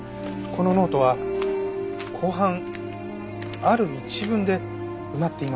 このノートは後半ある一文で埋まっています。